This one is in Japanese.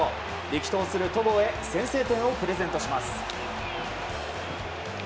力投する戸郷へ先制点をプレゼントします。